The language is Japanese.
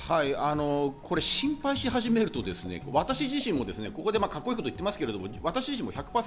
心配し始めると私自身もカッコいいことをここで言ってますけど、私自身も１００％